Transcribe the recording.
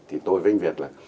thì tôi với anh việt là